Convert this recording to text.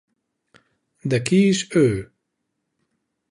De ki is ő?